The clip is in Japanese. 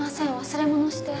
忘れ物して。